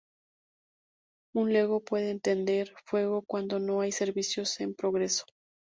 Un lego puede atender el fuego cuando no hay servicios en progreso.